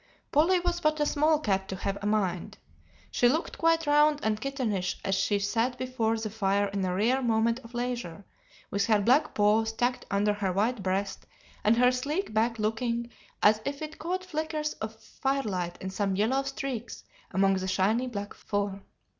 "Polly was but a small cat to have a mind. She looked quite round and kittenish as she sat before the fire in a rare moment of leisure, with her black paws tucked under her white breast and her sleek back looking as if it caught flickers of firelight in some yellow streaks among the shiny black fur.